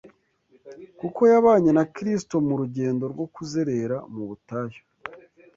kuko yabanye na Kristo mu rugendo rwo kuzerera mu butayu